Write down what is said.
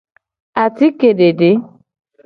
Atike dede.